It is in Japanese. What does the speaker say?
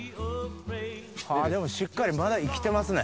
あでもしっかりまだ生きてますね。